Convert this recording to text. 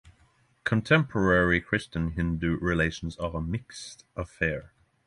Contemporary Christian-Hindu relations are a mixed affair.